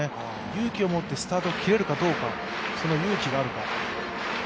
勇気を持ってスタートを切れるかその勇気があるか。